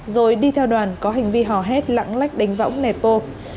rồi đi theo đoàn có hành vi hò hét lãng lách đánh võng nẻ tô